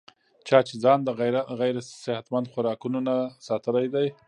چا چې ځان د غېر صحتمند خوراکونو نه ساتلے دے